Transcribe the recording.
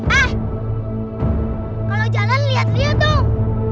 hai kalau jalan lihat lihat dong